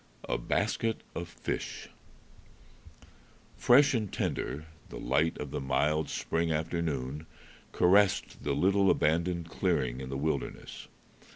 A Basket of Fish Fresh and tender, the light of the mild spring afternoon caressed the little abandoned clearing in the wilderness.